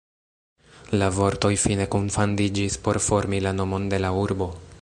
La vortoj fine kunfandiĝis por formi la nomon de la urbo.